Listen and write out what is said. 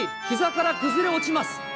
ひざから崩れ落ちます。